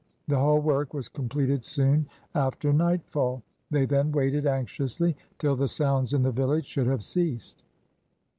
The whole work was completed soon after nightfall. They then waited anxiously till the sounds in the village should have ceased.